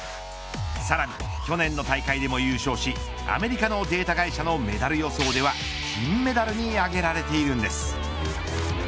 さらに去年の大会でも優勝しアメリカのデータ会社のメダル予想では金メダルに挙げられているんです。